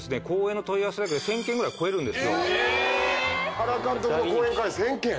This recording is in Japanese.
原監督の講演会１，０００件？